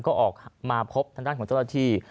ก็ออกมาพบทางด้านของเจ้าหน้าที่